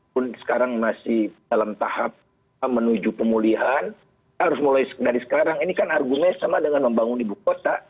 pun sekarang masih dalam tahap menuju pemulihan harus mulai dari sekarang ini kan argumennya sama dengan membangun ibu kota